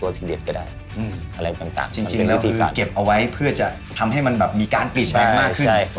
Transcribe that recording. อะไรต่างจริงแล้วคือเก็บเอาไว้เพื่อจะทำให้มันแบบมีการปิดแบบมากขึ้น